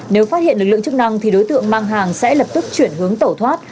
nếu phát hiện lực lượng chức năng thì đối tượng mang hàng sẽ lập tức chuyển hướng tẩu thoát